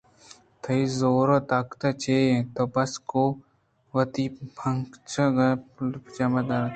تئی زور ءُ طاقت چے اِنت؟ تو بس گوں وتی پنجگاں چانکُر پاچے ءُ دنتاناں دِرّے